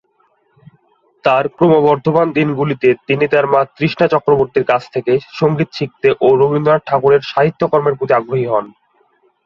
তার ক্রমবর্ধমান দিনগুলিতে তিনি তার মা তৃষ্ণা চক্রবর্তীর কাছ থেকে সঙ্গীত শিখতে ও রবীন্দ্রনাথ ঠাকুরের সাহিত্যকর্মের প্রতি আগ্রহী হন।